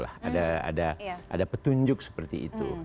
ada petunjuk seperti itu